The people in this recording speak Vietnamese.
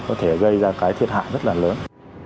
có thể gây ra cái thiệt hại rất là lớn